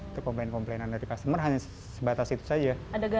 itu komplain komplainan dari customer hanya sebatas itu saja